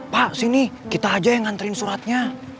pak sini kita aja yang nganterin suratnya